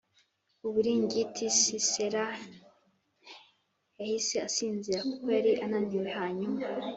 uburingiti Sisera yahise asinzira kuko yari ananiwe Hanyuma